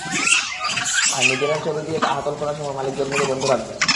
আবার নিজের চাবি দিয়ে হাতল খোলার সময় মালিক যন্ত্রটি বন্ধ রাখবেন।